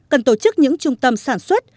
cần tổ chức những trung tâm sản xuất